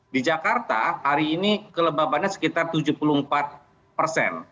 di jakarta hari ini kelembabannya sekitar tujuh puluh empat persen